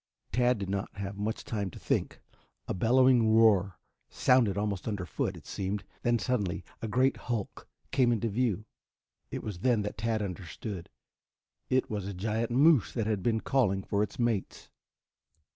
Tad did not have much time to think. A bellowing roar sounded almost under foot, it seemed, then suddenly a great hulk came into view. It was then that Tad understood. It was a giant moose that had been calling for its mates.